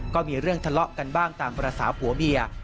ก็มีเรื่องทะเลาะกันบ้างตามภาษาผัวเมีย